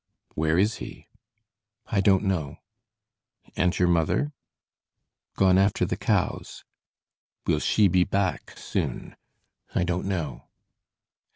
"Where is he?" "I don't know." "And your mother?" "Gone after the cows." "Will she be back soon?" "I don't know."